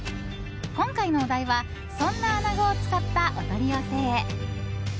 今回のお題はそんな穴子を使ったお取り寄せ。